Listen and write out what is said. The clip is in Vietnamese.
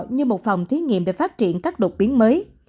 như một phòng thí nghiệm về phát triển các đột biến mới